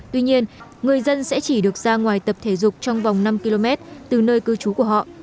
tuy nhiên người dân sẽ chỉ được ra ngoài tập thể dục trong vòng năm km từ nơi cư trú của họ